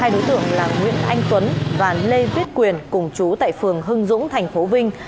hai đối tượng là nguyễn anh tuấn và lê viết quyền cùng chú tại phường hưng dũng tp vinh